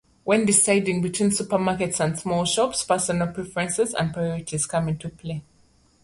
When deciding between supermarkets and small shops, personal preferences and priorities come into play.